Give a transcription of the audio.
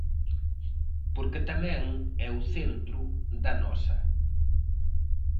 Porque tamén é o centro da nosa.